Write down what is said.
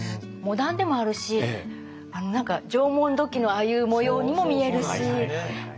モダンでもあるし何か縄文土器のああいう模様にも見えるし。